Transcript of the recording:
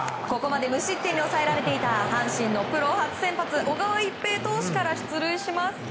ここまで無失点に抑えられていた阪神のプロ初先発小川一平投手から出塁します。